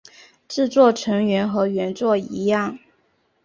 制作成员和原作一样。